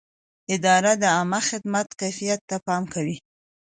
اداره د عامه خدمت کیفیت ته پام کوي.